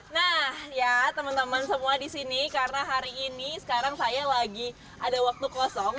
nah ya teman teman semua di sini karena hari ini sekarang saya lagi ada waktu kosong